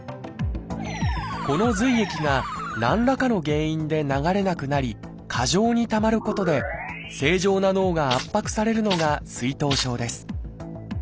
この髄液が何らかの原因で流れなくなり過剰にたまることで正常な脳が圧迫されるのが水頭症です。